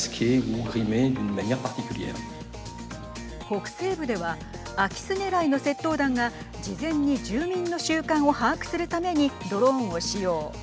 北西部では空き巣狙いの窃盗団が事前に住民の習慣を把握するためにドローンを使用。